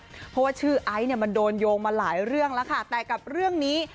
เพราะว่าชื่อไอซ์เนี่ยมันโดนโยงมาหลายเรื่องแล้วค่ะแต่กับเรื่องนี้